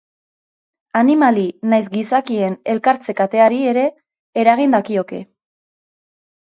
Animali nahiz gizakien elikatze-kateari ere eragin dakioke.